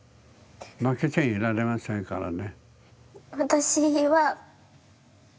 負けちゃいられませんからね。